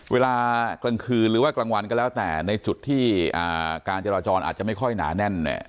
เวลากลางคืนหรือว่ากลางวันก็แล้วแต่ในจุดที่การจราจรอาจจะไม่ค่อยหนาแน่นเนี่ย